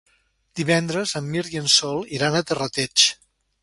Divendres en Mirt i en Sol iran a Terrateig.